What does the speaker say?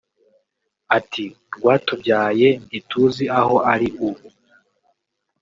Ati “Rwatubyaye ntituzi aho ari ubu